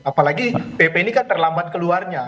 apalagi pp ini kan terlambat keluarnya